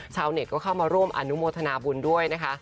ชาวเน็ตก็เข้ามาร่วมอนุโมทนาบุญด้วยนะคะ